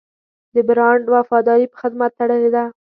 د برانډ وفاداري په خدمت تړلې ده.